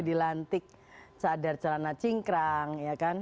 dilantik cadar celana cingkrang